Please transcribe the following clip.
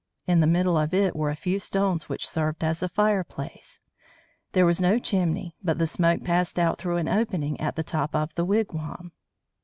In the middle of it were a few stones which served as a fireplace. There was no chimney, but the smoke passed out through an opening at the top of the wigwam.